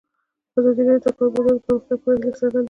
ازادي راډیو د د کار بازار د پرمختګ په اړه هیله څرګنده کړې.